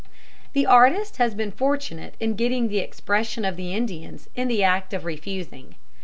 The artist has been fortunate in getting the expression of the Indians in the act of refusing.